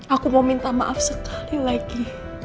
aku mau minta maaf sekali lagi